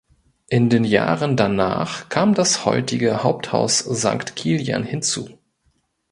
In den Jahren danach kam das heutige Haupthaus Sankt Kilian hinzu.